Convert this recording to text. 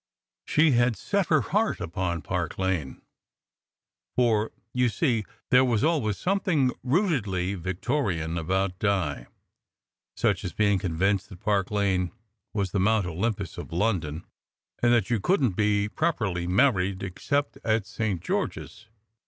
She had set her heart upon Park Lane; for, you see, there was always something rootedly Victorian about Di; such as being convinced that Park Lane was the Mount Olym pus of London, and that you couldn t be properly married except at St. George s.